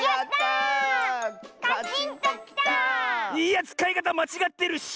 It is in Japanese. いやつかいかたまちがってるし！